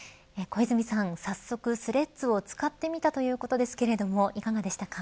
早速スレッズを使ってみたということですけれどいかがでしたか。